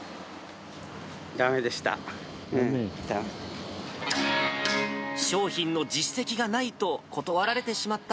だめでした。